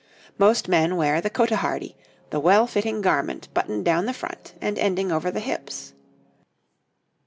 }] Most men wear the cotehardie, the well fitting garment buttoned down the front, and ending over the hips.